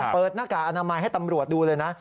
หน้ากากอนามัยให้ตำรวจดูเลยนะ